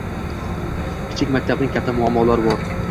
Kichik maktabning katta muammolari bor